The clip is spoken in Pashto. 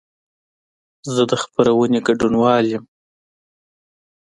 زه د خپرونې ګډونوال یم.